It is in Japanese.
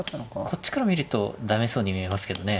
こっちから見ると駄目そうに見えますけどね。